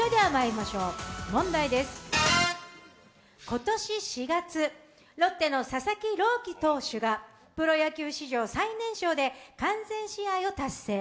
今年４月、ロッテの佐々木朗希投手がプロ野球史上最年少で完全試合を達成。